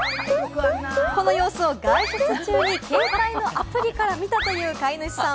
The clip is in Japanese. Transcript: この様子を、外出中に携帯のアプリから見たという飼い主さん。